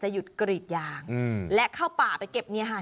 หยุดกรีดยางและเข้าป่าไปเก็บเนี่ยค่ะ